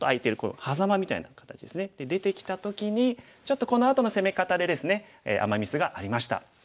出てきた時にちょっとこのあとの攻め方でですねアマ・ミスがありました。